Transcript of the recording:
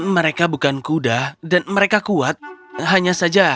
mereka bukan kuda dan mereka kuat hanya saja